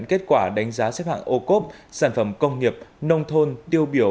kết quả đánh giá xếp hạng ô cốp sản phẩm công nghiệp nông thôn tiêu biểu